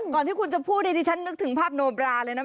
ก่อนที่คุณจะพูดนี่ที่ฉันนึกถึงภาพโนบราเลยนะ